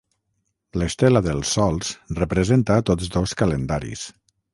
L'estela dels sols representa tots dos calendaris.